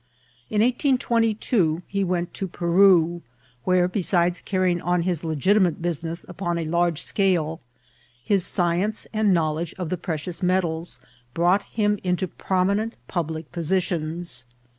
In 1822 he went to Peru, where, besides csrrying on his legitiniEte business upon E Isrge BCEle, his science End knowledge of the pre cious metsls brought him into prominent public po sitions.